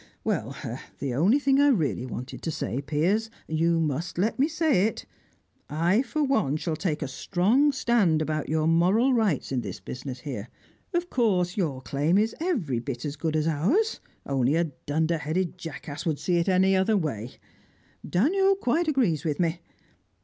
"Well, the one thing I really wanted to say, Piers you must let me say it I, for one, shall take a strong stand about your moral rights in this business here, Of course your claim is every bit as good as ours; only a dunder headed jackass would see it in any other way. Daniel quite agrees with me.